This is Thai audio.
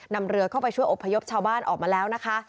นำเรือเข้าไปช่วยอบพยพชาวบ้านออกมาแล้วนะคะ